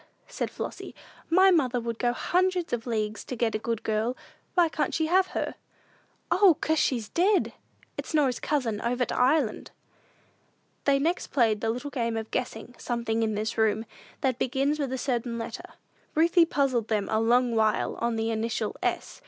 said Flossy; "my mother would go hundreds of leagues to get a good girl. Why can't she have her?" "O, 'cause, she's dead! It's Norah's cousin over to Ireland." They next played the little game of guessing "something in this room," that begins with a certain letter. Ruthie puzzled them a long while on the initial S.